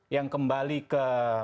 yang kembali ke satu empat